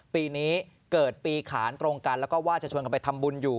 ปีนี้เกิดปีขานตรงกันแล้วก็ว่าจะชวนกันไปทำบุญอยู่